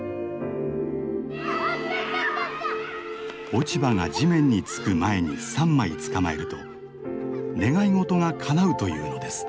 落ち葉が地面につく前に３枚つかまえると願い事がかなうというのです。